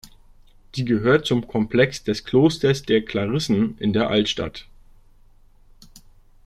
Sie gehört zum Komplex des Klosters der Klarissen in der Altstadt.